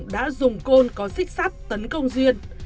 đã dùng côn có xích sắt tấn công duyên